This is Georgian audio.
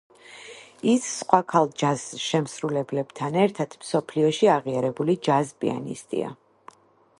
ის სხვა ქალ ჯაზ შემსრულებლებთან ერთად მსოფლიოში აღიარებული ჯაზ პიანისტია.